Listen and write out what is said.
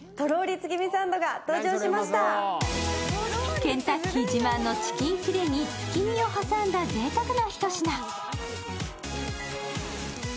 ケンタッキー自慢のチキンフィレに月見を挟んだぜいたくな一品。